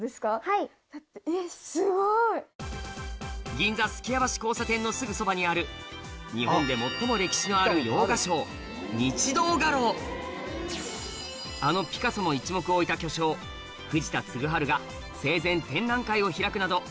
銀座・数寄屋橋交差点のすぐそばにあるあのピカソも一目置いた巨匠藤田嗣治が生前展覧会を開くなど